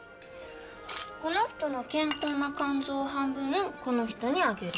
この人の健康な肝臓を半分この人にあげる。